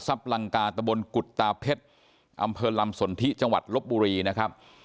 ลังกาตะบนกุฎตาเพชรอำเภอลำสนทิจังหวัดลบบุรีนะครับ